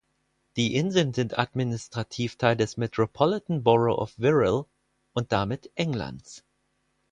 Die Inseln sind administrativ Teil des Metropolitan Borough of Wirral und damit Englands.